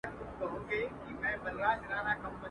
زلمو به زړونه ښکلیو نجونو ته وړیا ورکول.